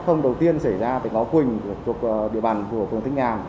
hôm đầu tiên xảy ra tình hóa quỳnh thuộc địa bàn của phường thanh nhàn